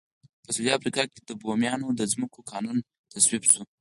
په سوېلي افریقا کې د بومیانو د ځمکو قانون تصویب شو.